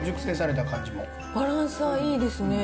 バランスはいいですね。